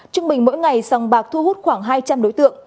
trung bình mỗi ngày sòng bạc thu hút khoảng hai trăm linh đối tượng